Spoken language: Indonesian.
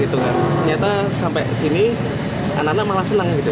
ternyata sampai sini anak anak malah senang gitu